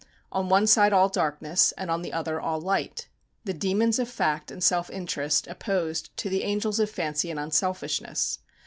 On one side all darkness, and on the other all light. The demons of fact and self interest opposed to the angels of fancy and unselfishness.